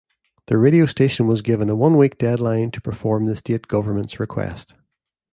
The radio station was given a one-week deadline to perform the State Government's request.